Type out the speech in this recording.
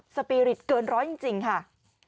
สปีริตเกินร้อยจริงค่ะ